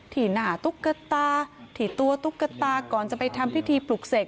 หน้าตุ๊กตาที่ตัวตุ๊กตาก่อนจะไปทำพิธีปลุกเสก